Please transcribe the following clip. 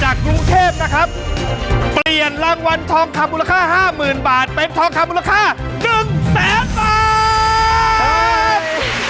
กรุงเทพนะครับเปลี่ยนรางวัลทองคำมูลค่าห้าหมื่นบาทเป็นทองคำมูลค่าหนึ่งแสนบาท